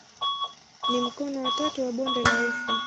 Ni mkono wa tatu wa bonde la ufa.